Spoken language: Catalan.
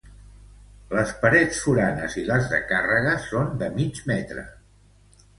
Les parets foranes i les de càrrega són de mig metre.